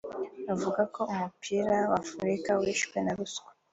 Avuga ko umupira w’Afurika wishwe na ruswa